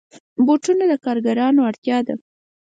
بوټونه د کارګرانو اړتیا ده.